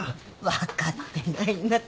分かってないな。